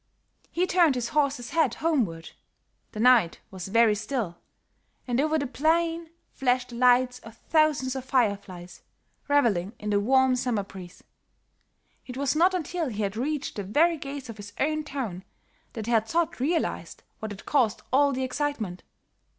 "He turned his horse's head homeward. The night was very still, and over the plain flashed the lights of thousands of fireflies, reveling in the warm summer breeze. It was not until he had reached the very gates of his own town that Herr Zott realized what had caused all the excitement.